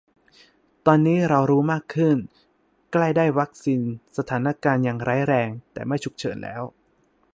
ตอนนี้เรารู้มากขึ้น ใกล้ได้วัคซีน สถานการณ์ยังร้ายแรง แต่ไม่ฉุกเฉินแล้ว